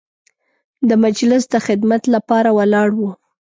د مجلس د خدمت لپاره ولاړ وو.